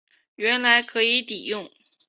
原来可以抵用